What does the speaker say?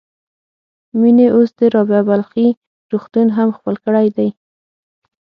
مينې اوس د رابعه بلخي روغتون هم خپل کړی دی.